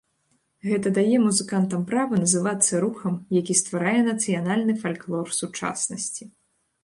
Гэта дае музыкантам права называцца рухам, які стварае нацыянальны фальклор сучаснасці.